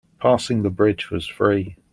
Passing the bridge was free.